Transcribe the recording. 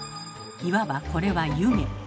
いわばこれは湯気。